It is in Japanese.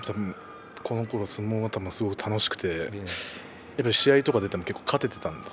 このころ相撲を取るのがすごく楽しくて試合とか出ていても勝てていたんです。